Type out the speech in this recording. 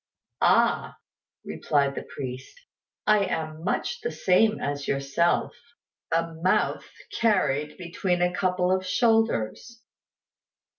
"Ah," replied the priest, "I am much the same as yourself a mouth carried between a couple of shoulders."